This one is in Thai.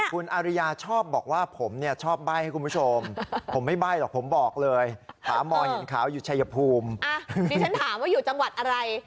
ครับดิฉันถามว่าอยู่จำหวัดอะไร